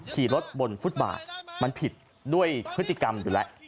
ขี่รถบนฟุตบาทมันผิดด้วยพฤติกรรมอยู่แล้ว